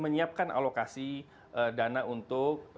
menyiapkan alokasi dana untuk